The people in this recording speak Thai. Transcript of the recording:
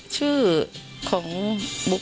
ชื่อของบุคค